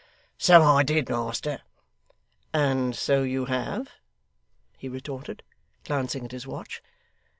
'So I did, master.' 'And so you have?' he retorted, glancing at his watch.